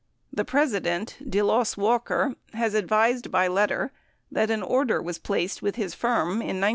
The president, Deloss Walker, has advised by letter that an order was placed with his firm 75 Nelson, 15 Hearings 6611.